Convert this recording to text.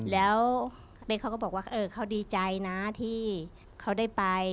แล้วเป๊กเขาก็บอกว่าเขาดีใจนะที่เขาได้ไป